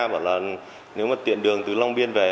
bảo là nếu tiện đường từ long biên về